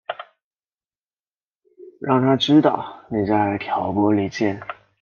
让他知道妳在挑拨离间